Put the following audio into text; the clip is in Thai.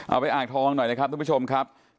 อ่าไปอ่างทองหน่อยนะครับทุกผู้ชมครับ